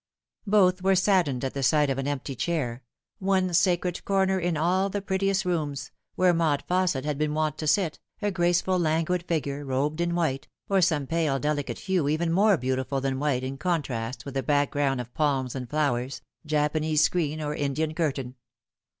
Both were saddened at the sight of an empty chair one sacred corner in all the prettiest rooms where Maud Fausset had been wont to sit, a graceful languid figure, robed in white, or some pale delicate hue even more beautiful than white in contrast with the background of palms and flowers, Japanese screen or Indian curtain.